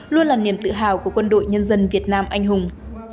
luôn là niềm tự hào của quân đội nhân dân việt nam anh hùng